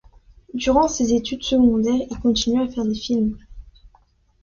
Durant ses études secondaires, il continue à faire des films.